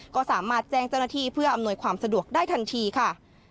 ก็สามารถแจ้งเจ้าหน้าที่เพื่ออำนวยความสะดวกได้ทันทีค่ะ